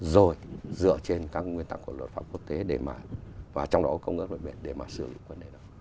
rồi dựa trên các nguyên tắc của luật pháp quốc tế và trong đó có công ước của biện để mà xử lý vấn đề đó